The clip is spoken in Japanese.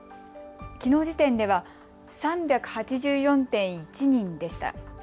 きのう時点では３８４．１人でした。